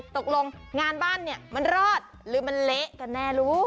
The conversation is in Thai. ตกลงงานบ้านเนี่ยมันรอดหรือมันเละกันแน่ลูก